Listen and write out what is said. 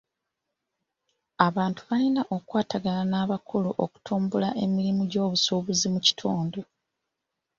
Abantu balina okukwatagana n'abakungu okutumbula emirimu gy'ebyobusuubuzi mu kitundu.